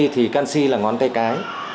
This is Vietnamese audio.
thì canxi là ngón tay cái